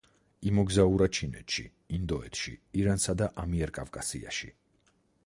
იმოგზაურა ჩინეთში, ინდოეთში, ირანსა და ამიერკავკასიაში.